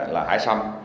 là hải sản